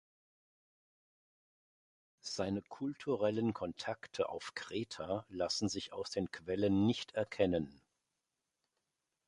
Seine kulturellen Kontakte auf Kreta lassen sich aus den Quellen nicht erkennen.